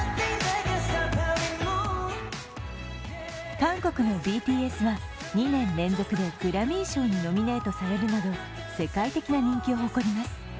韓国のＢＴＳは２年連続でグラミー賞にノミネートされるなど世界的な人気を誇ります。